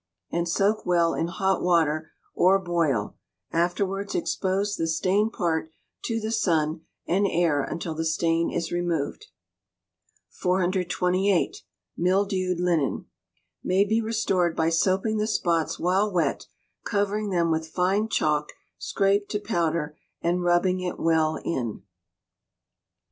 and soak well in hot water, or boil; afterwards expose the stained part to the sun and air until the stain is removed. 428. Mildewed Linen may be restored by soaping the spots while wet, covering them with fine chalk scraped to powder, and rubbing it well in.